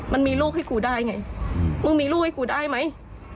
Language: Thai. มันมีลูกให้กูได้ไงมึงมีลูกให้กูได้ไหม